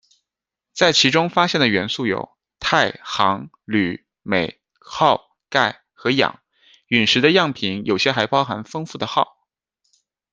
在其中发现的元素有钛、钪、铝、镁、锆、钙和氧，陨石的样品有些还包含丰富的锆。